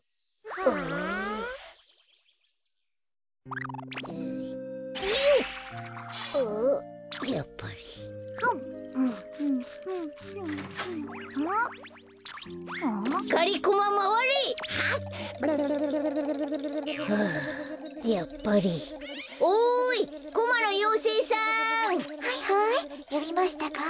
はいはいよびましたか？